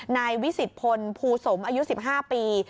นายวิสิตพลภูสมอายุ๑๕ปี